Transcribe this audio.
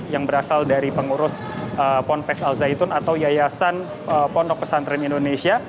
yang berasal dari pengurus ponpes al zaitun atau yayasan pondok pesantren indonesia